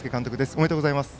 おめでとうございます。